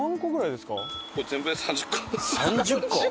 ３０個？